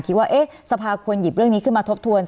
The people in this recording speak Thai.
คิดว่าสภาควรหยิบเรื่องนี้ขึ้นมาทบทวน